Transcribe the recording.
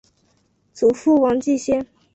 祖父王继先。